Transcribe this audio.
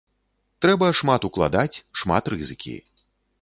Трэба шмат укладаць, шмат рызыкі.